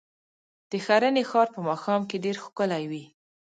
د ښرنې ښار په ماښام کې ډېر ښکلی وي.